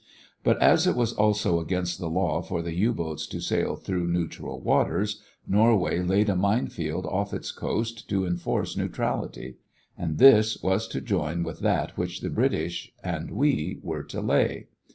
But as it was also against the law for the U boats to sail through neutral waters, Norway laid a mine field off its coast to enforce neutrality, and this was to join with that which the British and we were to lay.